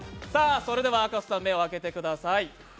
それでは赤楚さん目を開けてください。